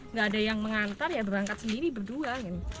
nggak ada yang mengantar ya berangkat sendiri berdua